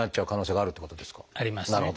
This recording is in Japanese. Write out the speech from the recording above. ありますね。